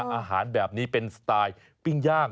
อาหารแบบนี้เป็นสไตล์ปิ้งย่าง